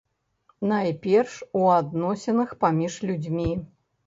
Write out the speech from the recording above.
Найперш у адносінах паміж людзьмі.